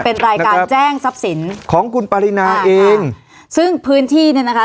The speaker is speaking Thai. เป็นรายการแจ้งทรัพย์สินของคุณปรินาเองซึ่งพื้นที่เนี้ยนะคะ